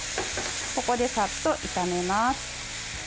ここで、さっと炒めます。